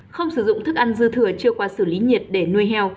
không sử dụng thức ăn dư thừa chưa qua xử lý nhiệt để nuôi heo